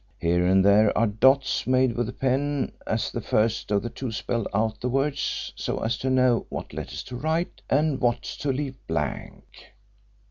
Here and there are dots made with the pen as the first of the two spelled out the words so as to know what letters to write and what to leave blank.